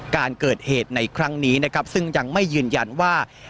การเกิดเหตุในครั้งนี้นะครับซึ่งยังไม่ยืนยันว่า